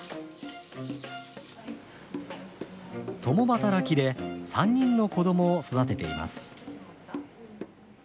共働きで３人の子供を育てています。